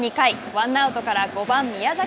ワンアウトから５番宮崎。